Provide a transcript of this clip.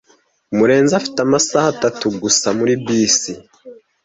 Murenzi afite amasaha atatu gusa muri bisi.